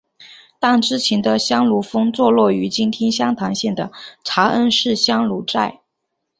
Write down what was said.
但之前的香炉峰坐落于今天湘潭县的茶恩寺香炉寨。